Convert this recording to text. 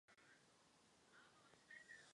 Zdůraznil bych, že jsou to pouze návrhy.